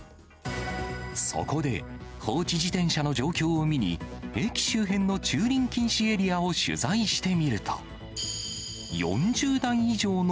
そこで、放置自転車の状況を見に、駅周辺の駐輪禁止エリアを取材してみると。